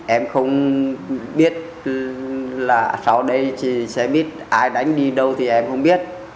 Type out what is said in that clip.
em không biết là sau đây chị xe buýt ai đánh đi đâu thì em không biết